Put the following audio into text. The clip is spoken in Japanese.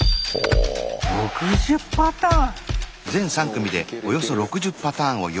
６０パターン！